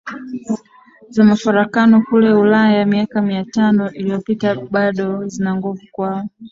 za mafarakano kule Ulaya miaka Mia tano iliyopita bado zina nguvu kwao